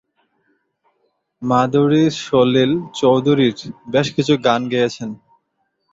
মাধুরী সলিল চৌধুরীর বেশ কিছু গান গেয়েছেন।